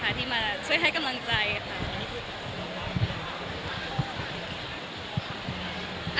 พอว่างปุ๊บแล้วก็ต้องดูคิวก่อนว่าคิวงานเราได้หรือเปล่า